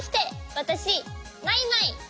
わたしマイマイ。